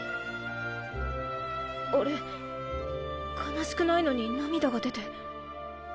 悲しくないのに涙が出て。